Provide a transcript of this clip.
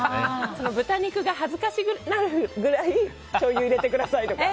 豚肉が恥ずかしくなるぐらいしょうゆを入れてくださいとか。